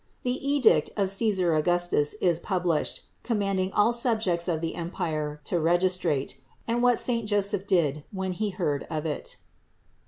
THE EDICT OF C^SAR AUGUSTUS is PUBLISHED, COM MANDING ALL SUBJECTS OF THE EMPIRE TO REGIS TRATE; AND WHAT SAINT JOSEPH DID WHEN HE HEARD OF IT.